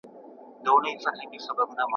د چنګېز پر کور ناورين ؤ `